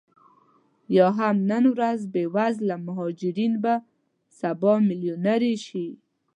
یا هم نن ورځ بې وزله مهاجرین به سبا میلیونرې شي